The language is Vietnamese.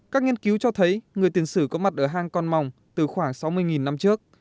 các nghiên cứu cho thấy người tiên sử có mặt ở hàng con mong từ khoảng sáu mươi năm trước